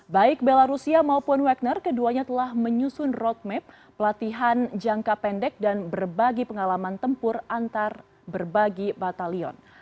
baik belarusia maupun weckner keduanya telah menyusun roadmap pelatihan jangka pendek dan berbagi pengalaman tempur antar berbagi batalion